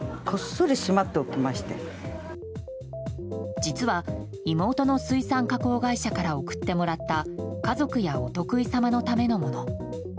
実は妹の水産加工会社から送ってもらった家族やお得意様のためのもの。